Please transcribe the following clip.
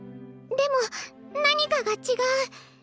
でも何かが違う。